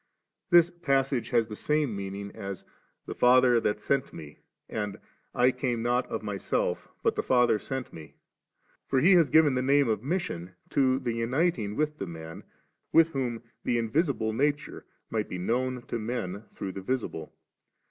This pas sage has the same meaning as 'the Father that sent Me,' and * 1 came not of Mystlf, but the Father sent Me '.' For he has given die name of mission 4 to the uniting with the Man, with Whom the Invisible nature might be known to men, through the visible.